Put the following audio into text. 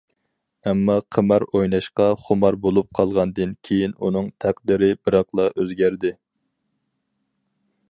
ئەمما قىمار ئويناشقا خۇمار بولۇپ قالغاندىن كېيىن ئۇنىڭ تەقدىرى بىراقلا ئۆزگەردى.